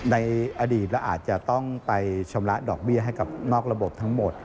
ในอดีตเราอาจจะต้องไปชำระดอกเบี้ยให้กับนอกระบบทั้งหมด